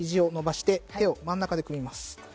肘を伸ばして、手を真ん中で組みます。